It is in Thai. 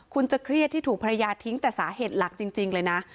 คุณจะเครียดที่ถูกภรรยาทิ้งแต่สาเหตุหลักจริงเลยนะ